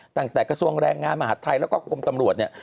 ตั้งแต่กระทรวงแรงงานมหาธัยแล้วก็กรมตำรวจเนี่ย